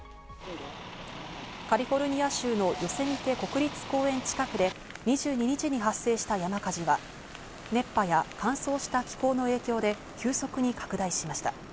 カリフォルニア州のヨセミテ国立公園近くで２２日に発生した山火事は、熱波や乾燥した気候の影響で急速に拡大しました。